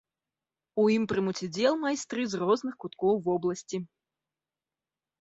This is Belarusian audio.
У ім прымуць удзел майстры з розных куткоў вобласці.